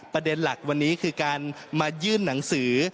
ประเด็นหลักวันนี้คือการมายื่นหนังสือ